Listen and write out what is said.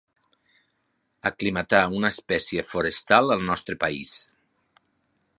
Aclimatar una espècie forestal al nostre país.